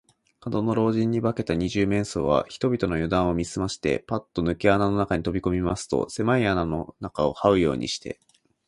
門野老人に化けた二十面相は、人々のゆだんを見すまして、パッとぬけ穴の中にとびこみますと、せまい穴の中をはうようにして、